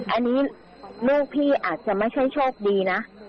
อันนี้ลูกพี่อาจจะไม่ใช่โชคดีนะ